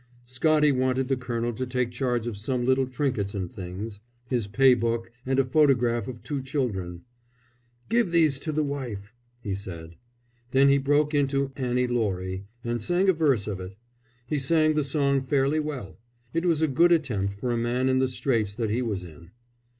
Scottie wanted the colonel to take charge of some little trinkets and things: his pay book, and a photograph of two children. "Give these to the wife," he said. Then he broke into "Annie Laurie," and sang a verse of it. He sang the song fairly well. It was a good attempt for a man in the straits that he was in.